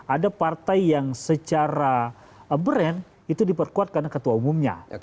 ada partai yang secara brand itu diperkuatkan ketua umumnya